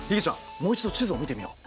もう一度地図を見てみよう。